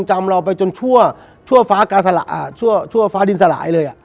จำเราไปจนชั่วฟ้าดินสลายเลย